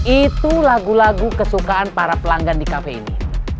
itu lagu lagu kesukaan para pelanggan di kafe ini